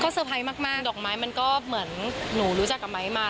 เตอร์ไพรส์มากดอกไม้มันก็เหมือนหนูรู้จักกับไม้มา